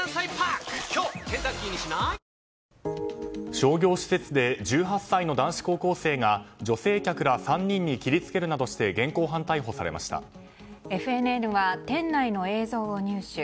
商業施設で１８歳の男子高校生が女性客ら３人に切り付けるなどしてＦＮＮは店内の映像を入手。